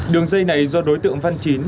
đường dây này do đối tượng văn chín